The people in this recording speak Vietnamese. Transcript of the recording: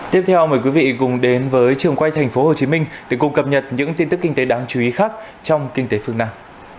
tiếp theo mời quý vị cùng đến với trường quay tp hcm để cùng cập nhật những tin tức kinh tế đáng chú ý khác trong kinh tế phương nam